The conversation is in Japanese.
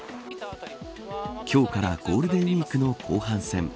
今日からゴールデンウイークの後半戦。